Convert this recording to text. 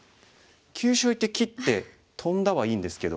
急所いって切ってトンだはいいんですけど。